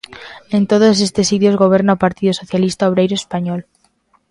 En todos estes sitios goberna o Partido Socialista Obreiro Español.